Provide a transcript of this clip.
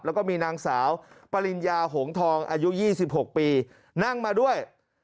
แล้วก็มีนางสาวปริญญาหงทองอายุ๒๖ปีนั่งมาด้วย